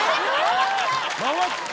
回った！